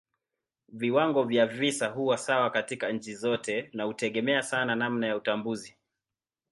Viwango vya visa huwa sawa katika nchi zote na hutegemea sana namna ya utambuzi.